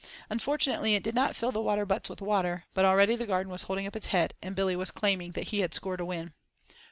Unfortunately it did not fill the water butts with water, but already the garden was holding up its head, and Billy was claiming that he had scored a win.